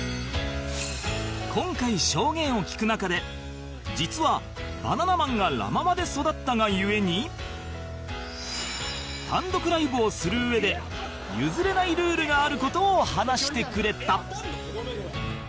今回証言を聞く中で実はバナナマンがラ・ママで育ったがゆえに単独ライブをするうえで譲れないルールがある事を話してくれた